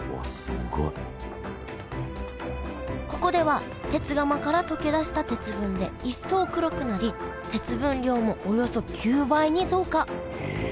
ここでは鉄釜から溶け出した鉄分で一層黒くなり鉄分量もおよそ９倍に増加ええ